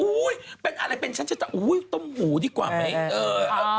โอ๊ยเป็นอะไรเป็นชั้นชนะโอ้ยต้มหมูดีกว่าไหม